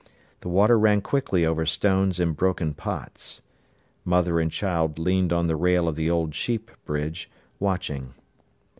The water ran quickly over stones and broken pots. Mother and child leaned on the rail of the old sheep bridge, watching.